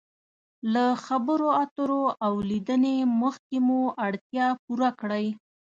له خبرو اترو او لیدنې مخکې مو اړتیا پوره کړئ.